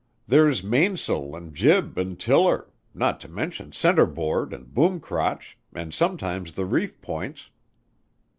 There's mains'l and jib and tiller not to mention center board and boom crotch and sometimes the reef points."